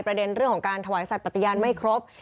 เรื่องของการถวายสัตว์ปฏิญาณไม่ครบ